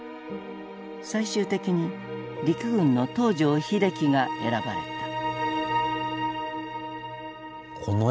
最終的に陸軍の東條英機が選ばれた。